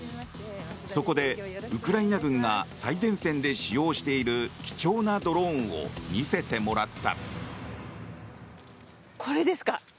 そこで、ウクライナ軍が最前線で使用している貴重なドローンを見せてもらった。